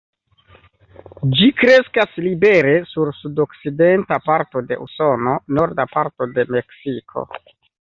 Ĝi kreskas libere sur sudokcidenta parto de Usono, norda parto de Meksiko.